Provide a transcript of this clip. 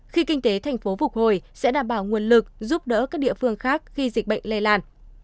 khi kinh tế thành phố phục hồi sẽ đảm bảo nguồn lực giúp đỡ các địa phương khác khi dịch bệnh lây lan